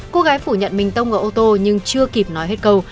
cô gái phủ nhận mình tông vào ô tô nhưng chưa kịp nói hết câu